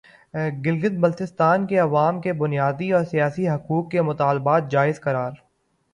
گلگت بلتستان کے عوام کے بنیادی اور سیاسی حقوق کے مطالبات جائز قرار